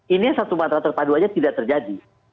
ini satu mata terpadu saja tidak terjadi